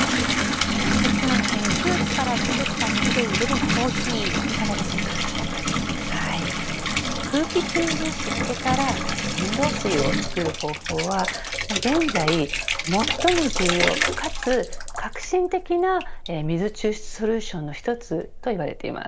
鈴木さん、空気から作った水でいれるコーヒー空気中の湿気から飲料水を作る方法は現在、最も重要かつ革新的な水抽出ソリューションの一つです。